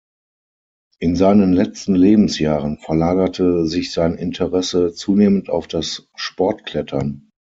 In seinen letzten Lebensjahren verlagerte sich sein Interesse zunehmend auf das Sportklettern.